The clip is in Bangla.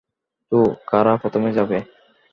তো, কারা প্রথমে যাবে?